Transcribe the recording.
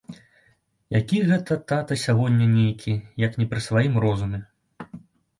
Які гэта тата сягоння нейкі, як не пры сваім розуме.